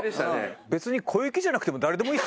別に小雪じゃなくても。